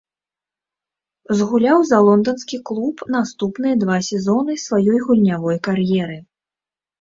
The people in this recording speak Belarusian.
Згуляў за лонданскі клуб наступныя два сезоны сваёй гульнявой кар'еры.